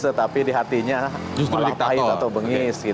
tetapi di hatinya malah pahit atau bengis